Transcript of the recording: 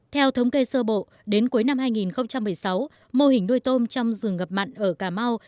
theo thống kê sơ bộ đến cuối năm hai nghìn một mươi sáu mô hình nuôi tôm trong rừng ngập mặn ở cà mau